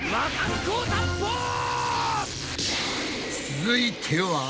続いては。